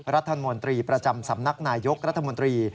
รัฐมนตรีประจำสำนักนายยกรัฐมนตรี